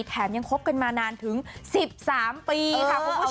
แถมยังคบกันมานานถึง๑๓ปีค่ะคุณผู้ชม